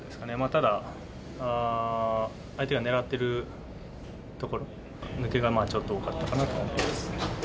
ただ、相手が狙ってるところで、抜けがちょっと多かったかなとは思います。